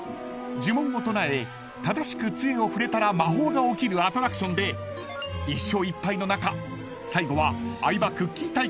［呪文を唱え正しくつえを振れたら魔法が起きるアトラクションで１勝１敗の中最後は相葉くっきー！